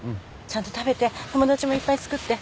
ちゃんと食べて友達もいっぱいつくって。